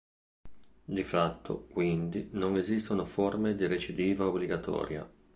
Di fatto, quindi, non esistono forme di recidiva obbligatoria.